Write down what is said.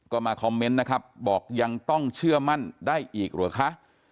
ก็มาคอมเมนต์นะครับบอกยังต้องเชื่อมั่นได้อีกเหรอคะ